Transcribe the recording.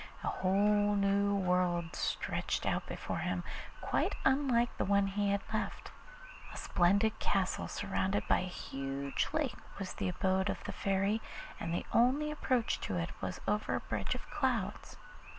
A whole new world stretched out before him, quite unlike the one he had left. A splendid castle surrounded by a huge lake was the abode of the Fairy, and the only approach to it was over a bridge of clouds.